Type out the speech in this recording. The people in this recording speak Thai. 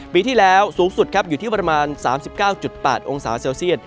ปีที่แล้วสูงสุดครับอยู่ที่ประมาณ๓๙๘องศาเซลเซียต